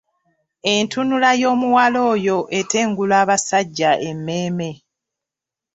Entunula y'omuwala oyo etengula abasajja emmeeme.